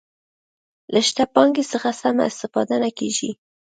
له شته پانګې څخه سمه استفاده نه کیږي.